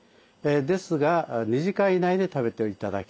ですが２時間以内で食べて頂きたい。